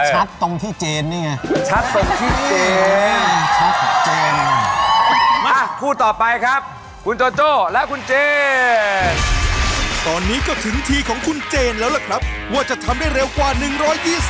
ชัดตรงที่เจนนี่ไง